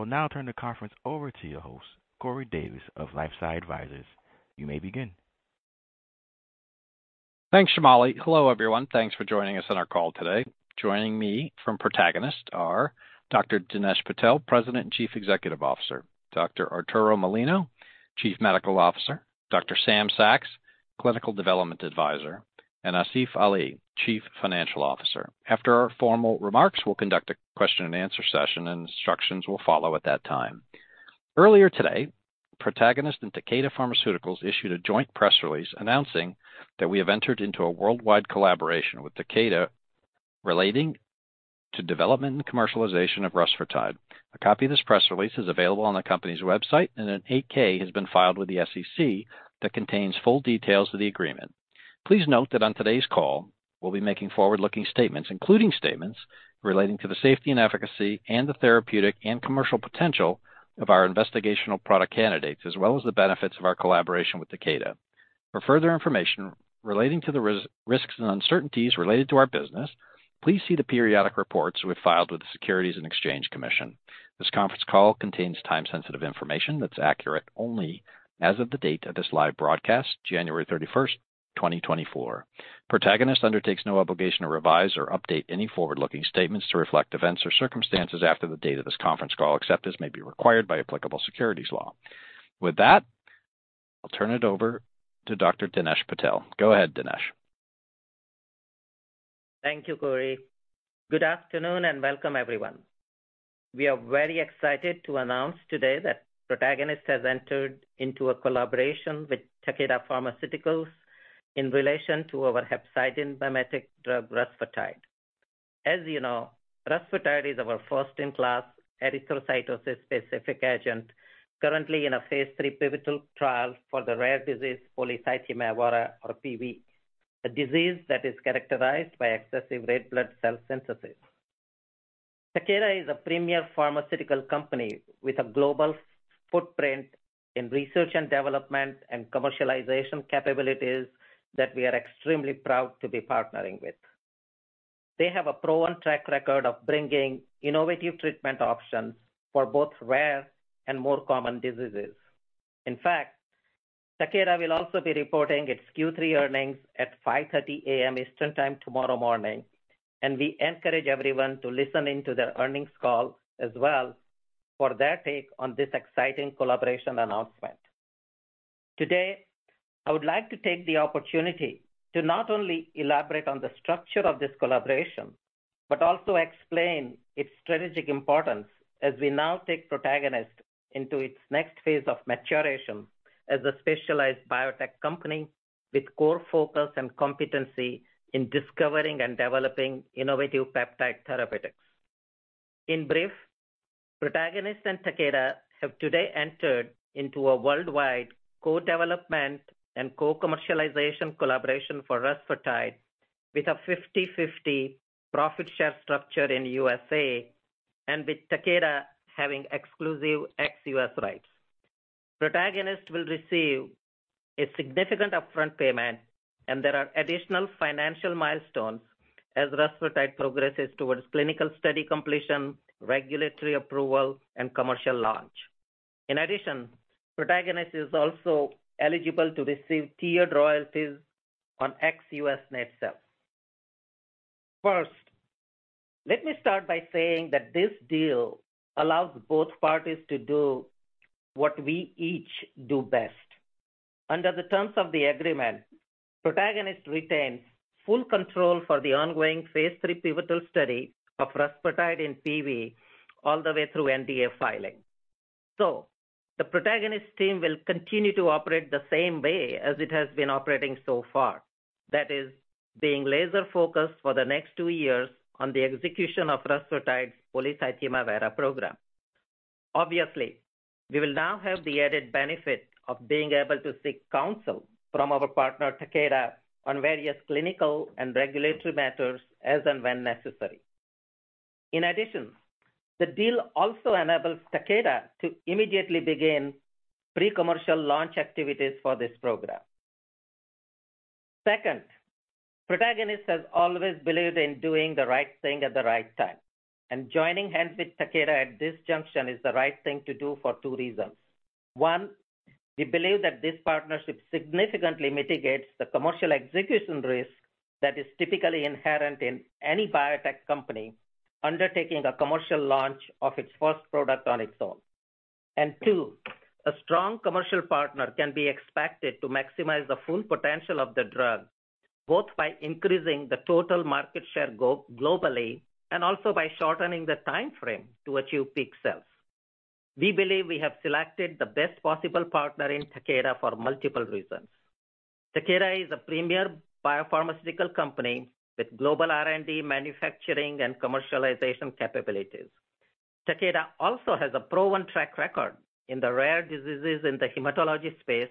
I will now turn the conference over to your host, Corey Davis of LifeSci Advisors. You may begin. Thanks, Shamali. Hello, everyone. Thanks for joining us on our call today. Joining me from Protagonist are Dr. Dinesh Patel, President and Chief Executive Officer, Dr. Arturo Molina, Chief Medical Officer, Dr. Samuel Saks, Clinical Development Advisor, and Asif Ali, Chief Financial Officer. After our formal remarks, we'll conduct a question-and-answer session, and instructions will follow at that time. Earlier today, Protagonist and Takeda Pharmaceuticals issued a joint press release announcing that we have entered into a worldwide collaboration with Takeda relating to development and commercialization of rusfertide. A copy of this press release is available on the company's website, and an 8-K has been filed with the SEC that contains full details of the agreement. Please note that on today's call, we'll be making forward-looking statements, including statements relating to the safety and efficacy and the therapeutic and commercial potential of our investigational product candidates, as well as the benefits of our collaboration with Takeda. For further information relating to the risks and uncertainties related to our business, please see the periodic reports we've filed with the Securities and Exchange Commission. This conference call contains time-sensitive information that's accurate only as of the date of this live broadcast, January 31, 2024. Protagonist undertakes no obligation to revise or update any forward-looking statements to reflect events or circumstances after the date of this conference call, except as may be required by applicable securities law. With that, I'll turn it over to Dr. Dinesh Patel. Go ahead, Dinesh. Thank you, Corey. Good afternoon, and welcome everyone. We are very excited to announce today that Protagonist has entered into a collaboration with Takeda Pharmaceuticals in relation to our hepcidin mimetic drug, rusfertide. As you know, rusfertide is our first-in-class erythrocytosis-specific agent, currently in a phase III pivotal trial for the rare disease polycythemia vera, or PV, a disease that is characterized by excessive red blood cell synthesis. Takeda is a premier pharmaceutical company with a global footprint in research and development and commercialization capabilities that we are extremely proud to be partnering with. They have a proven track record of bringing innovative treatment options for both rare and more common diseases. In fact, Takeda will also be reporting its Q3 earnings at 5:30 A.M. Eastern Time tomorrow morning, and we encourage everyone to listen in to their earnings call as well for their take on this exciting collaboration announcement. Today, I would like to take the opportunity to not only elaborate on the structure of this collaboration, but also explain its strategic importance as we now take Protagonist into its next phase of maturation as a specialized biotech company with core focus and competency in discovering and developing innovative peptide therapeutics. In brief, Protagonist and Takeda have today entered into a worldwide co-development and co-commercialization collaboration for rusfertide with a 50/50 profit share structure in USA and with Takeda having exclusive ex-U.S. rights. Protagonist will receive a significant upfront payment, and there are additional financial milestones as rusfertide progresses towards clinical study completion, regulatory approval, and commercial launch. In addition, Protagonist is also eligible to receive tiered royalties on ex-U.S. net sales. First, let me start by saying that this deal allows both parties to do what we each do best. Under the terms of the agreement, Protagonist retains full control for the ongoing phase III pivotal study of rusfertide in PV all the way through NDA filing. So the Protagonist team will continue to operate the same way as it has been operating so far. That is, being laser-focused for the next two years on the execution of rusfertide polycythemia vera program. Obviously, we will now have the added benefit of being able to seek counsel from our partner, Takeda, on various clinical and regulatory matters as and when necessary. In addition, the deal also enables Takeda to immediately begin pre-commercial launch activities for this program. Second, Protagonist has always believed in doing the right thing at the right time, and joining hands with Takeda at this junction is the right thing to do for two reasons. One, we believe that this partnership significantly mitigates the commercial execution risk that is typically inherent in any biotech company undertaking a commercial launch of its first product on its own. And two, a strong commercial partner can be expected to maximize the full potential of the drug, both by increasing the total market share globally and also by shortening the timeframe to achieve peak sales. We believe we have selected the best possible partner in Takeda for multiple reasons. Takeda is a premier biopharmaceutical company with global R&D, manufacturing, and commercialization capabilities. Takeda also has a proven track record in the rare diseases in the hematology space,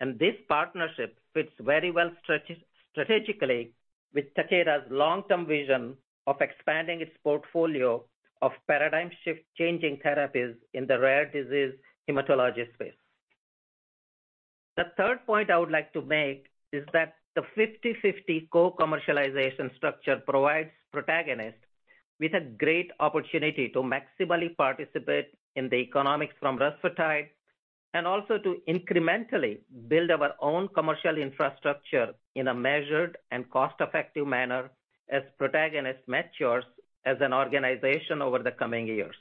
and this partnership fits very well strategically with Takeda's long-term vision of expanding its portfolio of paradigm shift changing therapies in the rare disease hematology space. The third point I would like to make is that the 50/50 co-commercialization structure provides Protagonist with a great opportunity to maximally participate in the economics from rusfertide, and also to incrementally build our own commercial infrastructure in a measured and cost-effective manner as Protagonist matures as an organization over the coming years.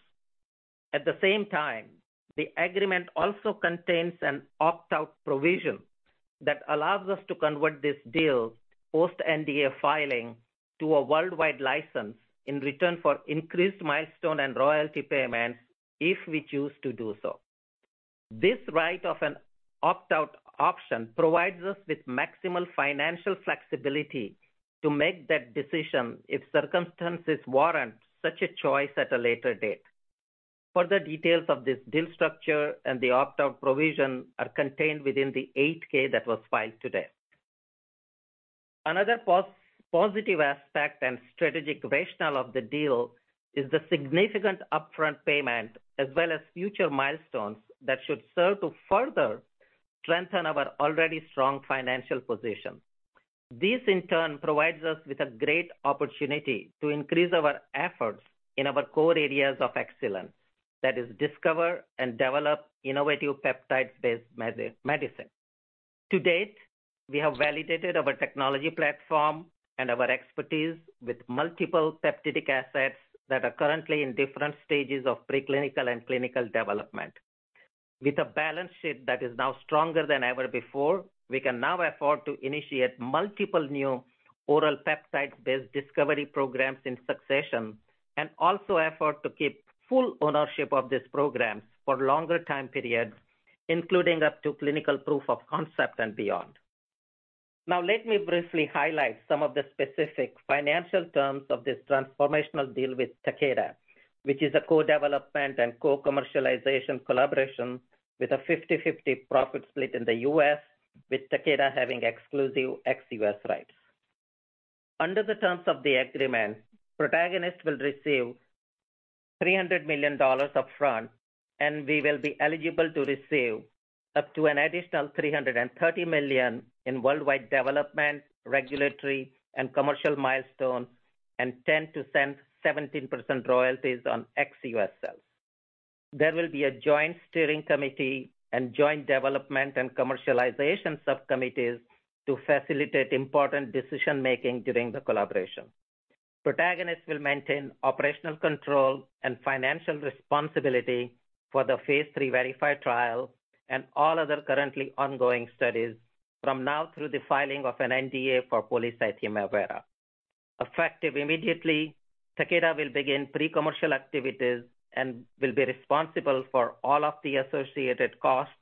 At the same time, the agreement also contains an opt-out provision that allows us to convert this deal post-NDA filing to a worldwide license in return for increased milestone and royalty payments if we choose to do so. This right of an opt-out option provides us with maximal financial flexibility to make that decision if circumstances warrant such a choice at a later date. Further details of this deal structure and the opt-out provision are contained within the 8-K that was filed today. Another positive aspect and strategic rationale of the deal is the significant upfront payment, as well as future milestones that should serve to further strengthen our already strong financial position. This, in turn, provides us with a great opportunity to increase our efforts in our core areas of excellence. That is, discover and develop innovative peptide-based medicine. To date, we have validated our technology platform and our expertise with multiple peptidic assets that are currently in different stages of preclinical and clinical development. With a balance sheet that is now stronger than ever before, we can now afford to initiate multiple new oral peptide-based discovery programs in succession, and also afford to keep full ownership of these programs for longer time periods, including up to clinical proof of concept and beyond. Now, let me briefly highlight some of the specific financial terms of this transformational deal with Takeda, which is a co-development and co-commercialization collaboration with a 50/50 profit split in the U.S., with Takeda having exclusive ex-U.S. rights. Under the terms of the agreement, Protagonist will receive $300 million upfront, and we will be eligible to receive up to an additional $330 million in worldwide development, regulatory, and commercial milestones, and 10%-17% royalties on ex-U.S. sales. There will be a joint steering committee and joint development and commercialization subcommittees to facilitate important decision-making during the collaboration. Protagonist will maintain operational control and financial responsibility for the phase III VERIFY trial and all other currently ongoing studies from now through the filing of an NDA for polycythemia vera. Effective immediately, Takeda will begin pre-commercial activities and will be responsible for all of the associated costs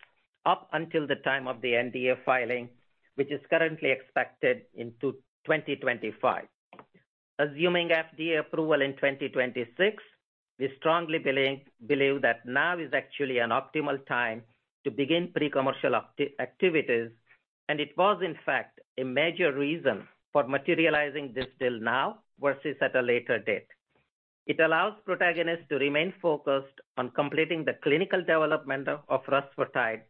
up until the time of the NDA filing, which is currently expected in 2025. Assuming FDA approval in 2026, we strongly believe that now is actually an optimal time to begin pre-commercial activities, and it was, in fact, a major reason for materializing this deal now versus at a later date. It allows Protagonist to remain focused on completing the clinical development of rusfertide,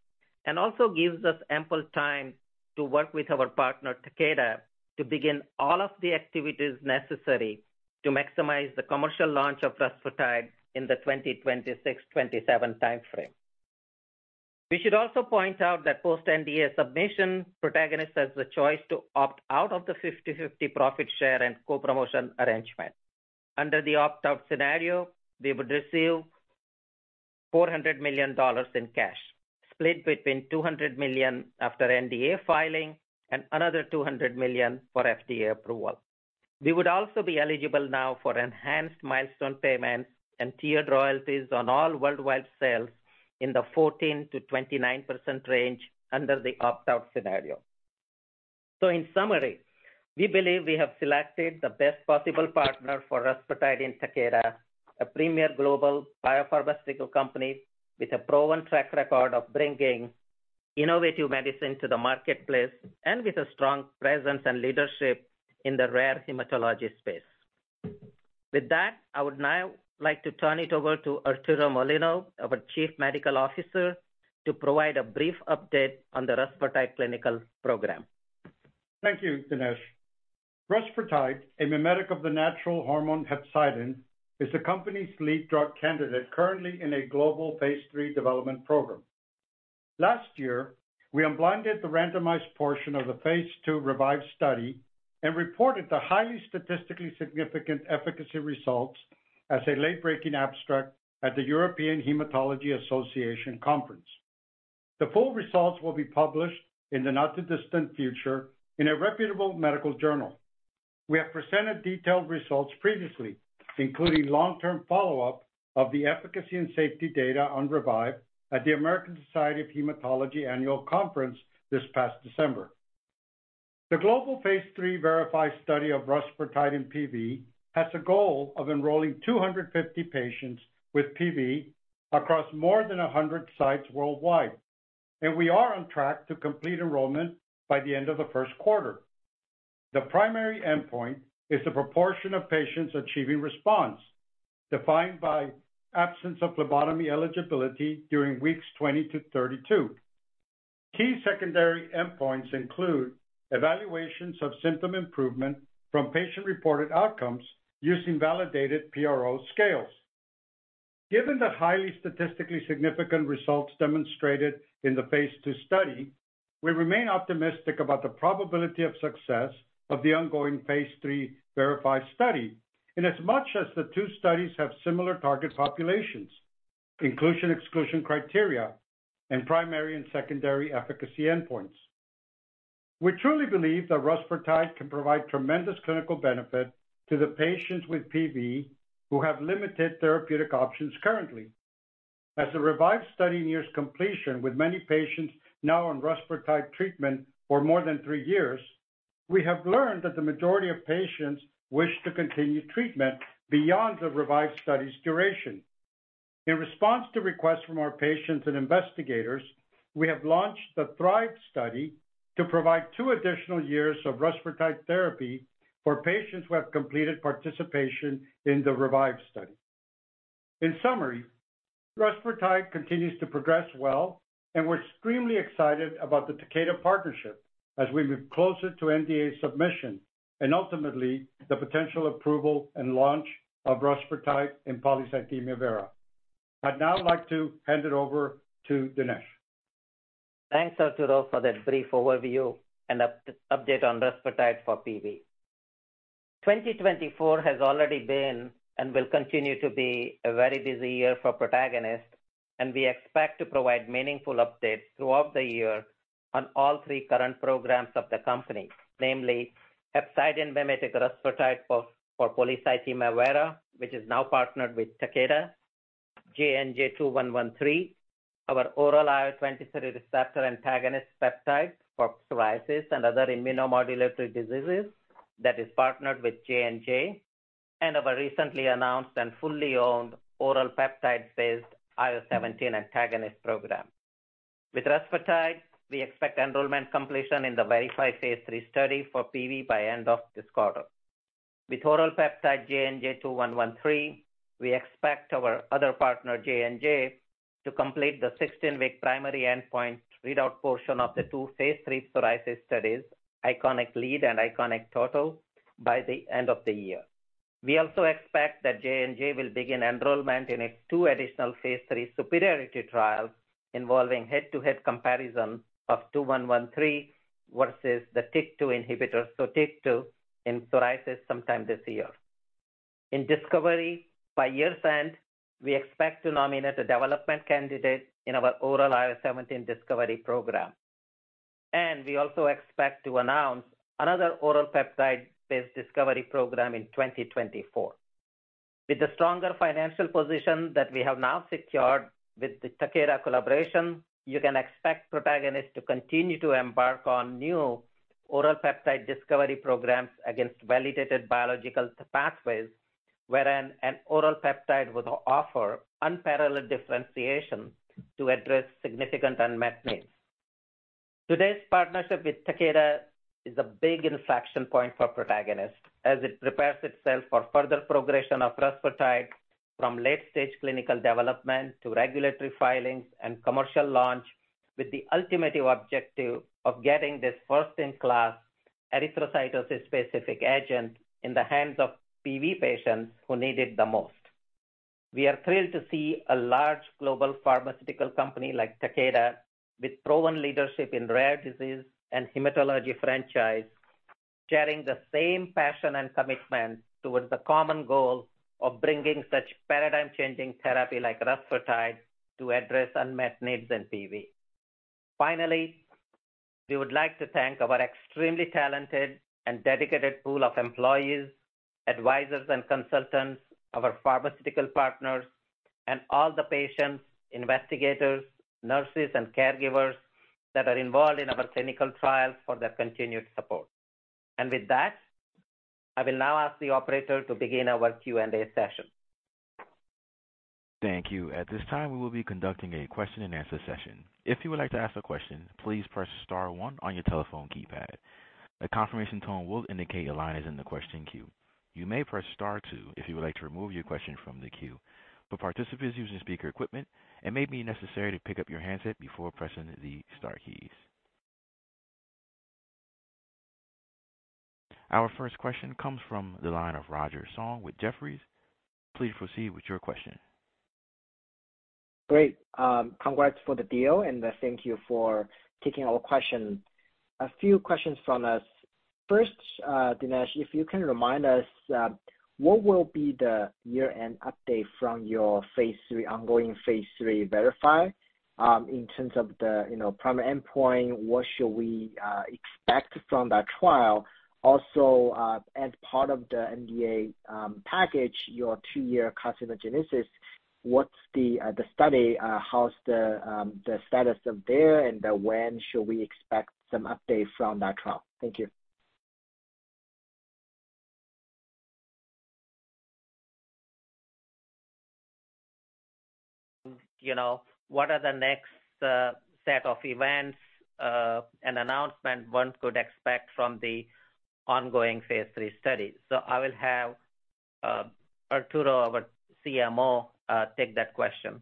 and also gives us ample time to work with our partner, Takeda, to begin all of the activities necessary to maximize the commercial launch of rusfertide in the 2026-2027 time frame. We should also point out that post NDA submission, Protagonist has the choice to opt out of the 50/50 profit share and co-promotion arrangement. Under the opt-out scenario, we would receive $400 million in cash, split between $200 million after NDA filing and another $200 million for FDA approval. We would also be eligible now for enhanced milestone payments and tiered royalties on all worldwide sales in the 14%-29% range under the opt-out scenario. In summary, we believe we have selected the best possible partner for rusfertide in Takeda, a premier global biopharmaceutical company with a proven track record of bringing innovative medicine to the marketplace and with a strong presence and leadership in the rare hematology space. With that, I would now like to turn it over to Arturo Molina, our Chief Medical Officer, to provide a brief update on the rusfertide clinical program. Thank you, Dinesh. Rusfertide, a mimetic of the natural hormone hepcidin, is the company's lead drug candidate, currently in a global phase III development program. Last year, we unblinded the randomized portion of the phase II REVIVE study and reported the highly statistically significant efficacy results as a late-breaking abstract at the European Hematology Association Conference. The full results will be published in the not-too-distant future in a reputable medical journal. We have presented detailed results previously, including long-term follow-up of the efficacy and safety data on REVIVE at the American Society of Hematology Annual Conference this past December. The global phase III VERIFY study of rusfertide in PV has a goal of enrolling 250 patients with PV across more than 100 sites worldwide, and we are on track to complete enrollment by the end of the first quarter. The primary endpoint is the proportion of patients achieving response, defined by absence of phlebotomy eligibility during weeks 20-32. Key secondary endpoints include evaluations of symptom improvement from patient-reported outcomes using validated PRO scales. Given the highly statistically significant results demonstrated in the phase II study, we remain optimistic about the probability of success of the ongoing phase III VERIFY study, in as much as the two studies have similar target populations, inclusion-exclusion criteria, and primary and secondary efficacy endpoints. We truly believe that rusfertide can provide tremendous clinical benefit to the patients with PV who have limited therapeutic options currently. As the REVIVE study nears completion, with many patients now on rusfertide treatment for more than three years, we have learned that the majority of patients wish to continue treatment beyond the REVIVE study's duration. In response to requests from our patients and investigators, we have launched the THRIVE study to provide two additional years of rusfertide therapy for patients who have completed participation in the REVIVE study. In summary, rusfertide continues to progress well, and we're extremely excited about the Takeda partnership as we move closer to NDA submission and ultimately the potential approval and launch of rusfertide in polycythemia vera. I'd now like to hand it over to Dinesh. Thanks, Arturo, for that brief overview and update on rusfertide for PV. 2024 has already been and will continue to be a very busy year for Protagonist, and we expect to provide meaningful updates throughout the year on all three current programs of the company. Namely, hepcidin mimetic rusfertide for polycythemia vera, which is now partnered with Takeda, JNJ-77242113, our oral IL-23 receptor antagonist peptide for psoriasis and other immunomodulatory diseases that is partnered with J&J, and our recently announced and fully owned oral peptide-based IL-17 antagonist program. With rusfertide, we expect enrollment completion in the VERIFY phase III study for PV by end of this quarter. With oral peptide JNJ-77242113, we expect our other partner, J&J, to complete the 16-week primary endpoint readout portion of the two phase III psoriasis studies, ICONIC-LEAD and ICONIC-TOTAL, by the end of the year. We also expect that J&J will begin enrollment in its two additional phase III superiority trials involving head-to-head comparison of 2113 versus the TYK2 inhibitor, so TYK2 in psoriasis sometime this year. In discovery, by year's end, we expect to nominate a development candidate in our oral IL-17 discovery program. And we also expect to announce another oral peptide-based discovery program in 2024. With the stronger financial position that we have now secured with the Takeda collaboration, you can expect Protagonist to continue to embark on new oral peptide discovery programs against validated biological pathways, wherein an oral peptide would offer unparalleled differentiation to address significant unmet needs. Today's partnership with Takeda is a big inflection point for Protagonist, as it prepares itself for further progression of rusfertide from late-stage clinical development to regulatory filings and commercial launch, with the ultimate objective of getting this first-in-class erythrocytosis-specific agent in the hands of PV patients who need it the most. We are thrilled to see a large global pharmaceutical company like Takeda, with proven leadership in rare disease and hematology franchise, sharing the same passion and commitment towards the common goal of bringing such paradigm-changing therapy like rusfertide to address unmet needs in PV. Finally, we would like to thank our extremely talented and dedicated pool of employees, advisors and consultants, our pharmaceutical partners, and all the patients, investigators, nurses, and caregivers that are involved in our clinical trials for their continued support. With that, I will now ask the operator to begin our Q&A session. Thank you. At this time, we will be conducting a question-and-answer session. If you would like to ask a question, please press star one on your telephone keypad. A confirmation tone will indicate your line is in the question queue. You may press star two if you would like to remove your question from the queue. For participants using speaker equipment, it may be necessary to pick up your handset before pressing the star keys. Our first question comes from the line of Roger Song with Jefferies. Please proceed with your question. Great. Congrats for the deal, and thank you for taking our question. A few questions from us. First, Dinesh, if you can remind us, what will be the year-end update from your phase III, ongoing phase III VERIFY, in terms of the, you know, primary endpoint, what should we expect from that trial? Also, as part of the NDA package, your two-year carcinogenicity study, what's the status of that, and when should we expect some update from that trial? Thank you. You know, what are the next set of events and announcement one could expect from the ongoing phase III study? So I will have Arturo, our CMO, take that question.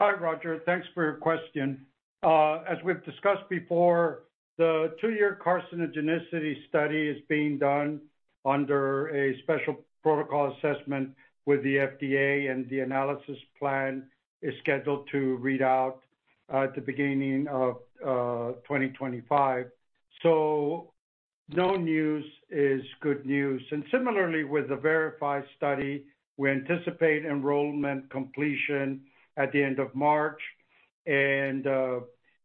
Hi, Roger. Thanks for your question. As we've discussed before, the two-year carcinogenicity study is being done under a special protocol assessment with the FDA, and the analysis plan is scheduled to read out at the beginning of 2025. So no news is good news. And similarly, with the VERIFY study, we anticipate enrollment completion at the end of March, and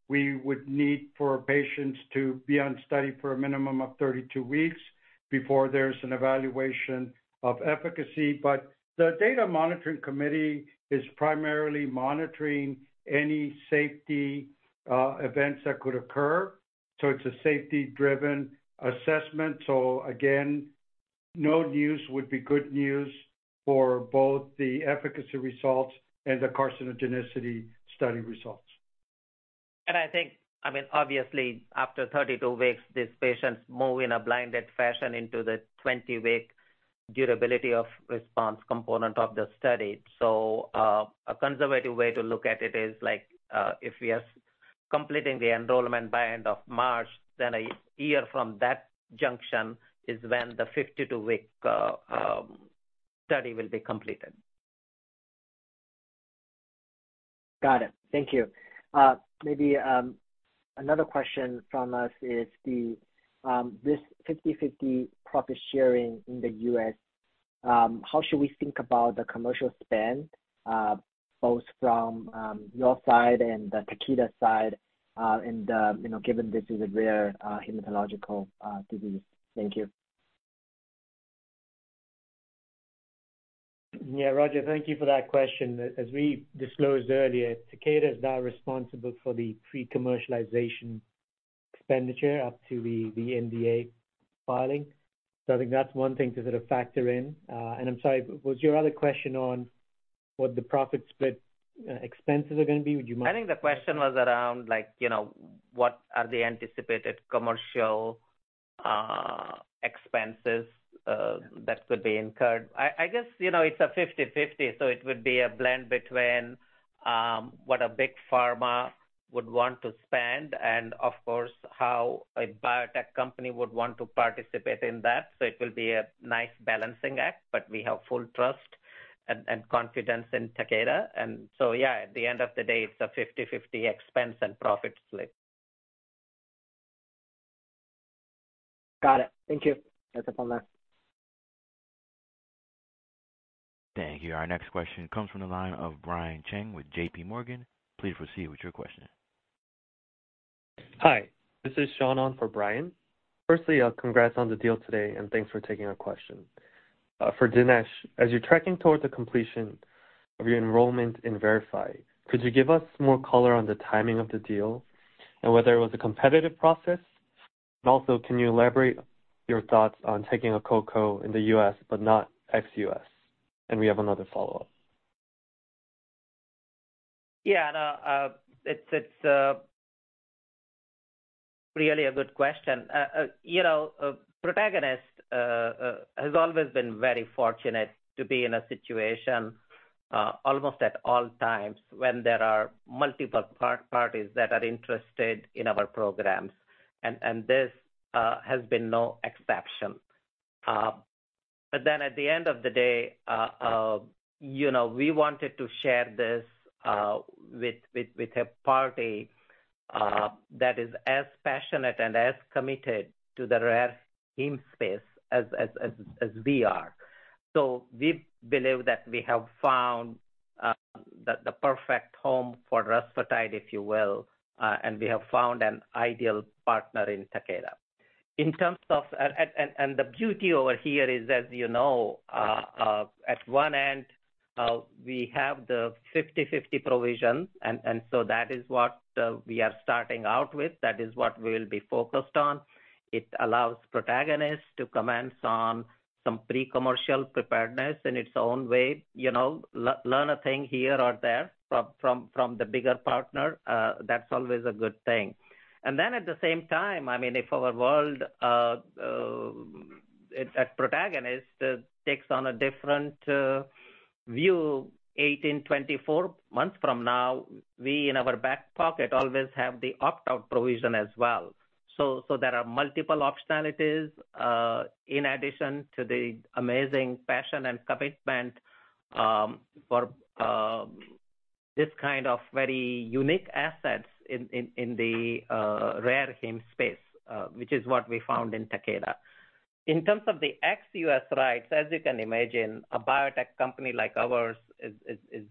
we would need for patients to be on study for a minimum of 32 weeks before there's an evaluation of efficacy. But the data monitoring committee is primarily monitoring any safety events that could occur. So it's a safety-driven assessment. So again, no news would be good news for both the efficacy results and the carcinogenicity study results. And I think, I mean, obviously, after 32 weeks, these patients move in a blinded fashion into the 20-week durability of response component of the study. So, a conservative way to look at it is, like, if we are completing the enrollment by end of March, then a year from that junction is when the 52-week study will be completed. Got it. Thank you. Maybe another question from us is this 50/50 profit sharing in the U.S., how should we think about the commercial spend, both from your side and the Takeda side, and, you know, given this is a rare hematological disease? Thank you. Yeah, Roger, thank you for that question. As we disclosed earlier, Takeda is now responsible for the pre-commercialization expenditure up to the NDA filing. So I think that's one thing to sort of factor in. And I'm sorry, was your other question on what the profit split, expenses are gonna be? Would you mind,I think the question was around like, you know, what are the anticipated commercial expenses that could be incurred? I guess, you know, it's a 50/50, so it would be a blend between what a big pharma would want to spend and of course, how a biotech company would want to participate in that. So it will be a nice balancing act, but we have full trust and confidence in Takeda. So, yeah, at the end of the day, it's a 50/50 expense and profit split. Got it. Thank you. That's it on that. Thank you. Our next question comes from the line of Brian Cheng with JP Morgan. Please proceed with your question. Hi, this is Sean on for Brian. Firstly, congrats on the deal today, and thanks for taking our question. For Dinesh, as you're tracking towards the completion of your enrollment in VERIFY, could you give us more color on the timing of the deal and whether it was a competitive process? And also, can you elaborate your thoughts on taking a co-co in the U.S., but not ex-U.S.? And we have another follow-up. Yeah, it's really a good question. You know, Protagonist has always been very fortunate to be in a situation, almost at all times when there are multiple parties that are interested in our programs, and this has been no exception. But then at the end of the day, you know, we wanted to share this with a party that is as passionate and as committed to the rare heme space as we are. So we believe that we have found the perfect home for rusfertide, if you will, and we have found an ideal partner in Takeda. In terms of the beauty over here is, as you know, at one end, we have the 50/50 provision, and so that is what we are starting out with. That is what we'll be focused on. It allows Protagonist to commence on some pre-commercial preparedness in its own way, you know, learn a thing here or there from the bigger partner. That's always a good thing. And then at the same time, I mean, if our world at Protagonist takes on a different view, 18-24 months from now, we in our back pocket always have the opt-out provision as well. There are multiple optionalities in addition to the amazing passion and commitment for this kind of very unique assets in the rare heme space, which is what we found in Takeda. In terms of the ex-U.S. rights, as you can imagine, a biotech company like ours is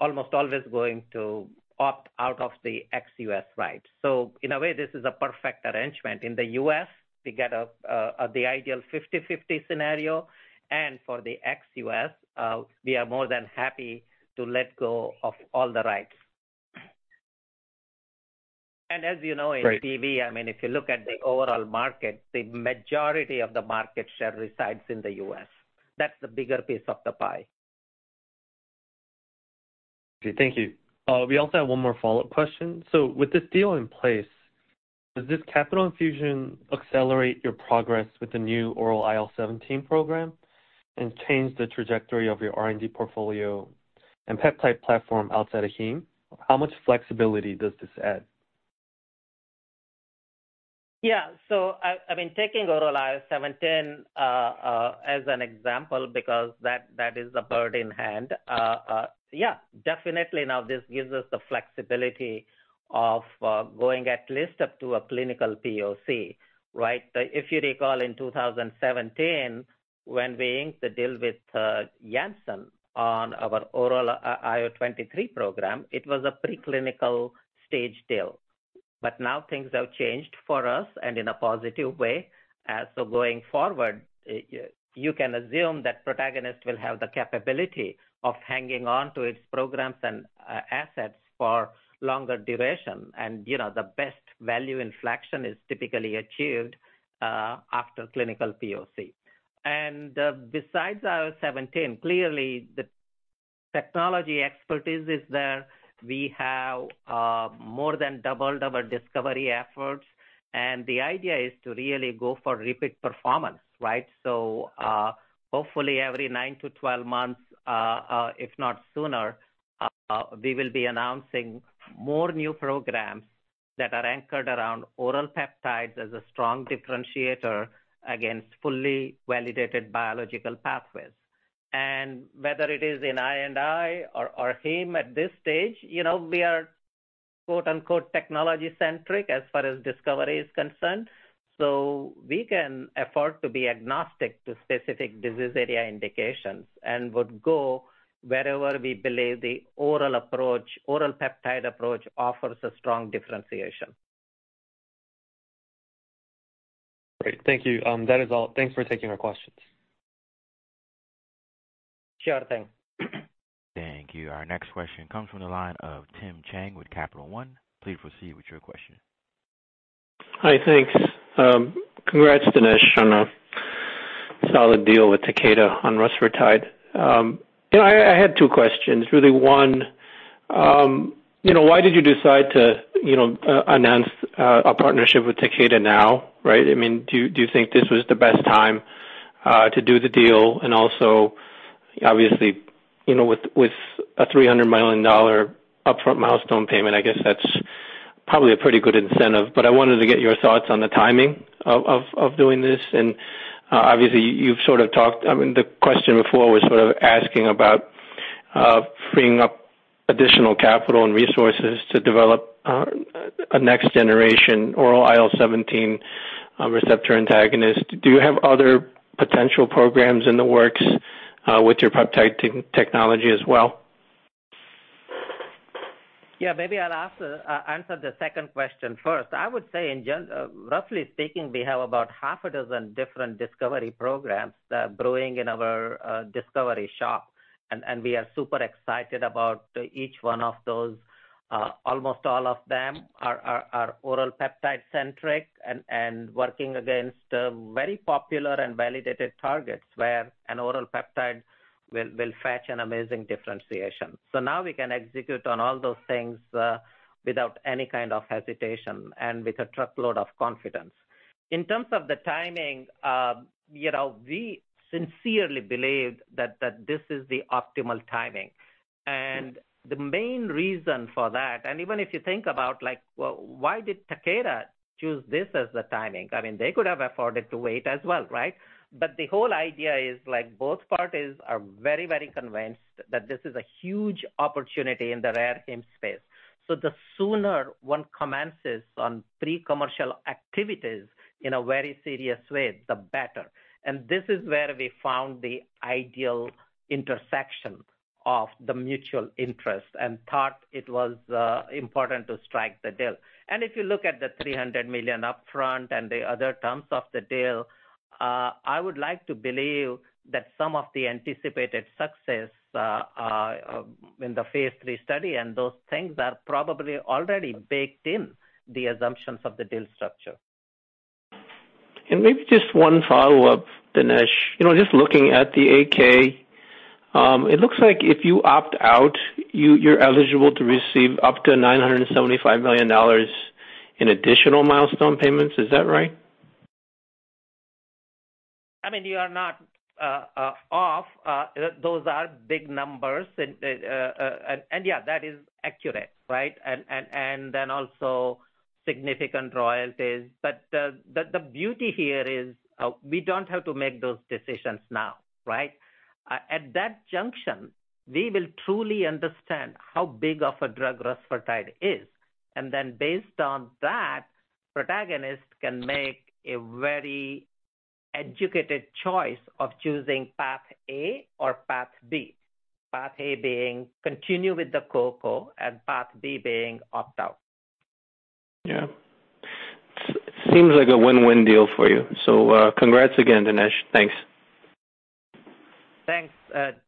almost always going to opt out of the ex-U.S. rights. So in a way, this is a perfect arrangement. In the U.S., we get the ideal 50/50 scenario, and for the ex-U.S., we are more than happy to let go of all the rights. As you know, in PV, I mean, if you look at the overall market, the majority of the market share resides in the U.S. That's the bigger piece of the pie. Okay, thank you. We also have one more follow-up question. So with this deal in place, does this capital infusion accelerate your progress with the new oral IL-17 program and change the trajectory of your R&D portfolio and peptide platform outside of Heme? How much flexibility does this add? Yeah. So I mean, taking oral IL-17 as an example, because that is a bird in hand. Yeah, definitely. Now, this gives us the flexibility of going at least up to a clinical POC, right? If you recall, in 2017, when we inked the deal with Janssen on our oral IL-23 program, it was a preclinical stage deal. But now things have changed for us and in a positive way. So going forward, you can assume that Protagonist will have the capability of hanging on to its programs and assets for longer duration. And, you know, the best value inflection is typically achieved after clinical POC. And besides our 17, clearly the technology expertise is there. We have more than doubled our discovery efforts, and the idea is to really go for repeat performance, right? So, hopefully every 9-12 months, if not sooner, we will be announcing more new programs that are anchored around oral peptides as a strong differentiator against fully validated biological pathways. And whether it is in I&I or, or Heme, at this stage, you know, we are, technology centric, as far as discovery is concerned, so we can afford to be agnostic to specific disease area indications and would go wherever we believe the oral approach, oral peptide approach offers a strong differentiation. Great. Thank you. That is all. Thanks for taking our questions. Sure thing. Thank you. Our next question comes from the line of Tim Chiang with Capital One. Please proceed with your question. Hi. Thanks. Congrats, Dinesh, on a solid deal with Takeda on rusfertide. You know, I had two questions. Really, one, you know, why did you decide to, you know, announce a partnership with Takeda now, right? I mean, do you think this was the best time to do the deal? And also, obviously, you know, with a $300 million upfront milestone payment, I guess that's probably a pretty good incentive. But I wanted to get your thoughts on the timing of doing this. And, obviously, you've sort of talked. I mean, the question before was sort of asking about freeing up additional capital and resources to develop a next generation oral IL-17 receptor antagonist. Do you have other potential programs in the works with your peptide technology as well? Yeah, maybe I'll answer the second question first. I would say roughly speaking, we have about half a dozen different discovery programs brewing in our discovery shop, and we are super excited about each one of those. Almost all of them are oral peptide centric and working against very popular and validated targets, where an oral peptide will fetch an amazing differentiation. So now we can execute on all those things without any kind of hesitation and with a truckload of confidence. In terms of the timing, you know, we sincerely believe that this is the optimal timing. And the main reason for that, and even if you think about, like, well, why did Takeda choose this as the timing? I mean, they could have afforded to wait as well, right? But the whole idea is, like, both parties are very, very convinced that this is a huge opportunity in the rare heme space. So the sooner one commences on pre-commercial activities in a very serious way, the better. And this is where we found the ideal intersection of the mutual interest and thought it was important to strike the deal. And if you look at the $300 million upfront and the other terms of the deal, I would like to believe that some of the anticipated success in the phase III study and those things are probably already baked in the assumptions of the deal structure. Maybe just one follow-up, Dinesh. You know, just looking at the 8-K, it looks like if you opt out, you're eligible to receive up to $975 million in additional milestone payments. Is that right? I mean, you are not off. Those are big numbers. And, yeah, that is accurate, right? And, then also significant royalties. But the beauty here is, we don't have to make those decisions now, right? At that juncture, we will truly understand how big of a drug rusfertide is, and then based on that, Protagonist can make a very educated choice of choosing path A or path B. Path A being continue with the co-co and path B being opt out. Yeah. Seems like a win-win deal for you. So, congrats again, Dinesh. Thanks. Thanks,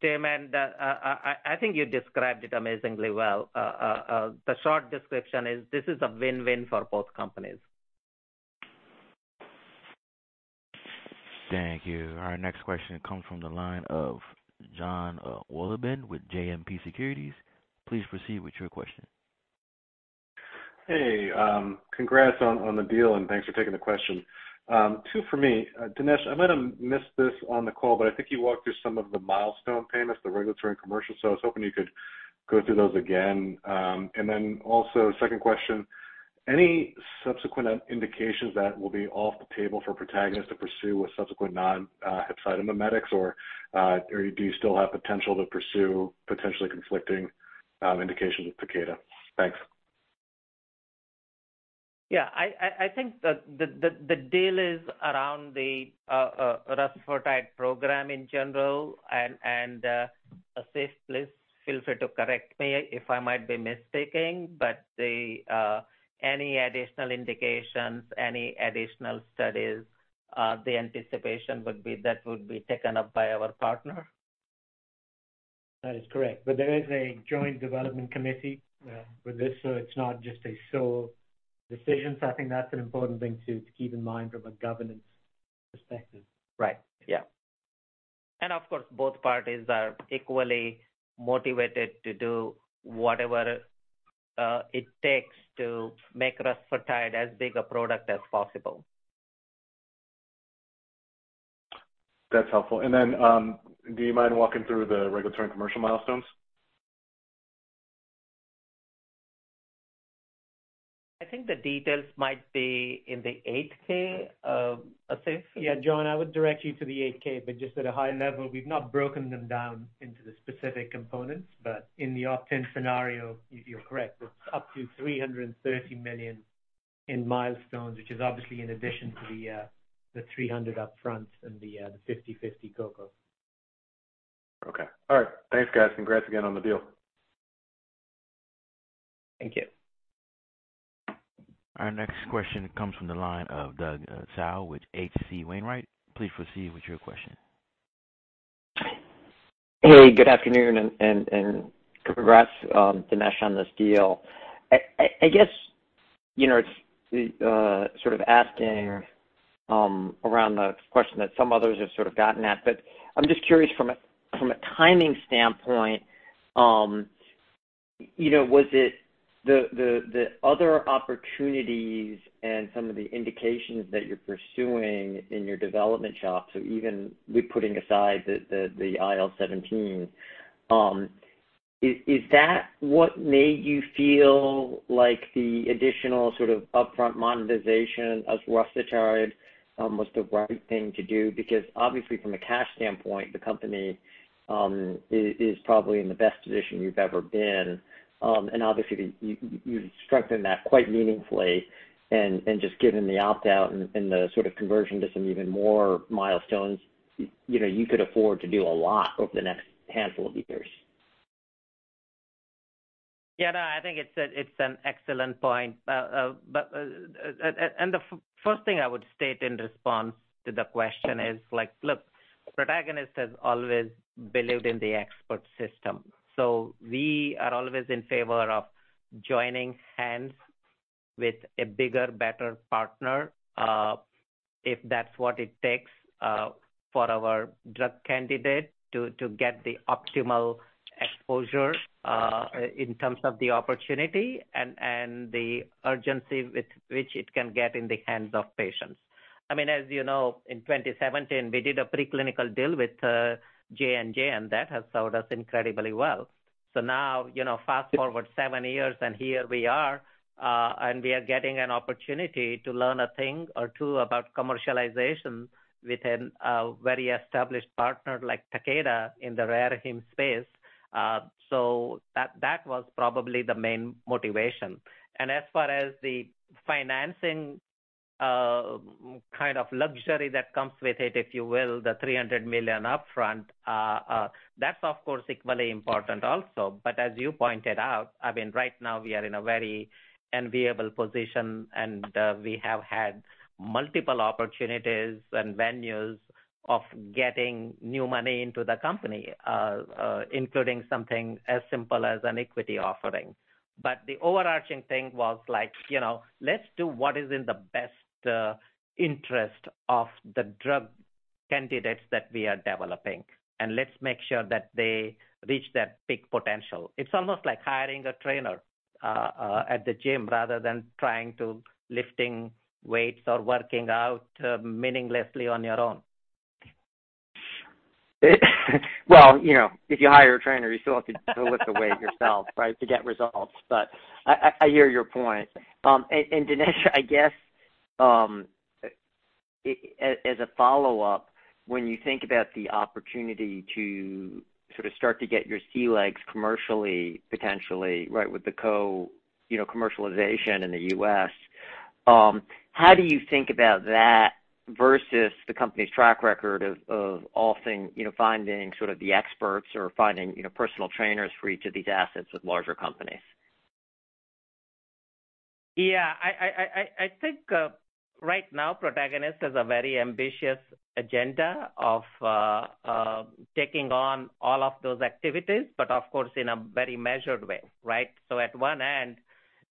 Tim, and I think you described it amazingly well. The short description is, this is a win-win for both companies. Thank you. Our next question comes from the line of Jon Wolleben, with JMP Securities. Please proceed with your question. Hey, congrats on the deal, and thanks for taking the question. Two for me. Dinesh, I might have missed this on the call, but I think you walked through some of the milestone payments, the regulatory and commercial, so I was hoping you could go through those again. And then also, second question, any subsequent indications that will be off the table for Protagonist to pursue with subsequent non-hepcidin mimetics, or do you still have potential to pursue potentially conflicting indications with Takeda? Thanks. Yeah, I think the deal is around the rusfertide program in general, and Asif, please feel free to correct me if I might be mistaken, but any additional indications, any additional studies, the anticipation would be that would be taken up by our partner. That is correct. But there is a joint development committee with this, so it's not just a sole decision. So I think that's an important thing to keep in mind from a governance perspective. Right. Yeah. Of course, both parties are equally motivated to do whatever it takes to make rusfertide as big a product as possible. That's helpful. And then, do you mind walking through the regulatory and commercial milestones? I think the details might be in the 8-K. Asif? Yeah, Jon, I would direct you to the 8-K, but just at a high level, we've not broken them down into the specific components. But in the opt-in scenario, if you're correct, it's up to $330 million in milestones, which is obviously in addition to the $300 million upfront and the 50/50 co-co. Okay. All right. Thanks, guys. Congrats again on the deal. Thank you. Our next question comes from the line of Doug Tsao, with H.C. Wainwright. Please proceed with your question. Hey, good afternoon, and congrats, Dinesh, on this deal. I guess, you know, it's sort of asking around the question that some others have sort of gotten at, but I'm just curious from a timing standpoint, you know, was it the other opportunities and some of the indications that you're pursuing in your development shop, so even with putting aside the IL-17, is that what made you feel like the additional sort of upfront monetization of rusfertide was the right thing to do? Because obviously, from a cash standpoint, the company is probably in the best position you've ever been. Obviously, you've strengthened that quite meaningfully, and just given the opt-out and the sort of conversion to some even more milestones, you know, you could afford to do a lot over the next handful of years. Yeah, no, I think it's a, it's an excellent point. But the first thing I would state in response to the question is, like, look, Protagonist has always believed in the expert system. So we are always in favor of joining hands with a bigger, better partner, if that's what it takes, for our drug candidate to get the optimal exposure, in terms of the opportunity and the urgency with which it can get in the hands of patients. I mean, as you know, in 2017, we did a preclinical deal with J&J, and that has served us incredibly well. So now, you know, fast-forward seven years, and here we are, and we are getting an opportunity to learn a thing or two about commercialization with a very established partner like Takeda in the rare hem space. So that was probably the main motivation. And as far as the financing, kind of luxury that comes with it, if you will, the $300 million upfront, that's of course, equally important also. But as you pointed out, I mean, right now, we are in a very enviable position, and, we have had multiple opportunities and venues of getting new money into the company, including something as simple as an equity offering. But the overarching thing was like, you know, let's do what is in the best interest of the drug candidates that we are developing, and let's make sure that they reach their peak potential. It's almost like hiring a trainer at the gym rather than trying to lifting weights or working out meaninglessly on your own. Well, you know, if you hire a trainer, you still have to lift the weight yourself, right, to get results. But I hear your point. And Dinesh, I guess, as a follow-up, when you think about the opportunity to sort of start to get your sea legs commercially, potentially, right, with the co-commercialization in the U.S., how do you think about that versus the company's track record of often finding sort of the experts or finding personal trainers for each of these assets with larger companies? Yeah, I think right now, Protagonist has a very ambitious agenda of taking on all of those activities, but of course, in a very measured way, right? So at one end,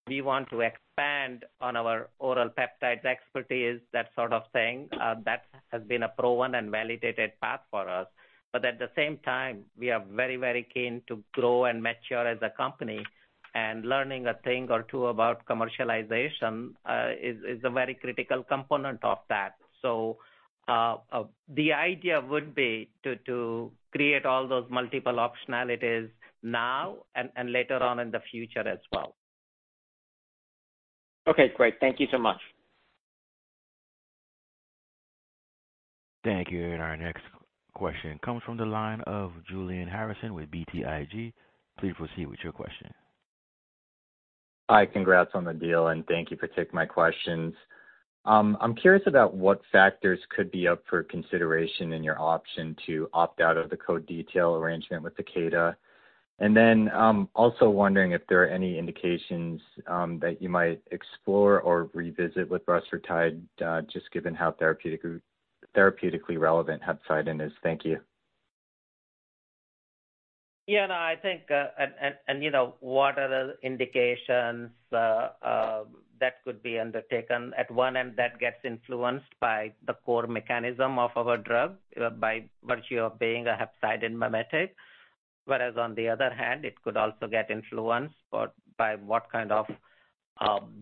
we want to expand on our oral peptides expertise, that sort of thing. That has been a proven and validated path for us. But at the same time, we are very, very keen to grow and mature as a company, and learning a thing or two about commercialization is a very critical component of that. So the idea would be to create all those multiple optionalities now and later on in the future as well. Okay, great. Thank you so much. Thank you. Our next question comes from the line of Julian Harrison with BTIG. Please proceed with your question. Hi, congrats on the deal, and thank you for taking my questions. I'm curious about what factors could be up for consideration in your option to opt out of the co-detail arrangement with Takeda. And then, also wondering if there are any indications that you might explore or revisit with rusfertide, just given how therapeutically relevant hepcidin is. Thank you. Yeah, no, I think, and, and, and, you know, what are the indications that could be undertaken? At one end, that gets influenced by the core mechanism of our drug, by virtue of being a hepcidin mimetic. Whereas on the other hand, it could also get influenced by what kind of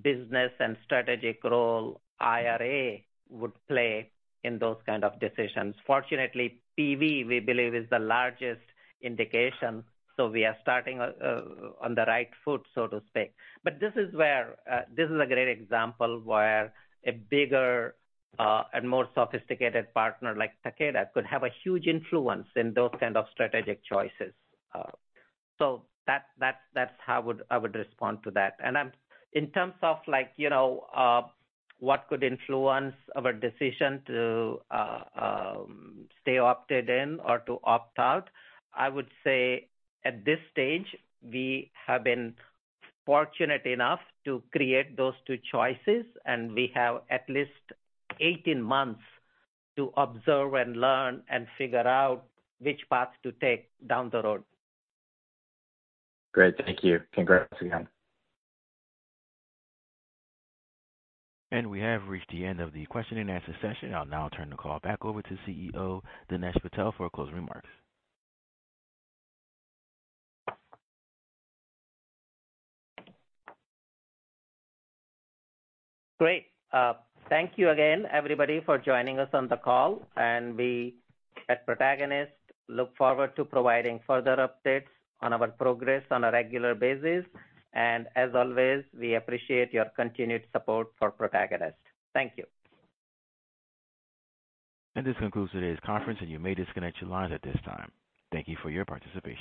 business and strategic role IRA would play in those kind of decisions. Fortunately, PV, we believe, is the largest indication, so we are starting on the right foot, so to speak. But this is where, this is a great example where a bigger and more sophisticated partner like Takeda could have a huge influence in those kind of strategic choices. So that, that's how I would respond to that. And I'm, in terms of, like, you know, what could influence our decision to stay opted in or to opt out, I would say at this stage, we have been fortunate enough to create those two choices, and we have at least 18 months to observe and learn and figure out which path to take down the road. Great, thank you. Congrats again. We have reached the end of the question and answer session. I'll now turn the call back over to CEO, Dinesh Patel, for closing remarks. Great. Thank you again, everybody, for joining us on the call, and we at Protagonist look forward to providing further updates on our progress on a regular basis. As always, we appreciate your continued support for Protagonist. Thank you. This concludes today's conference, and you may disconnect your lines at this time. Thank you for your participation.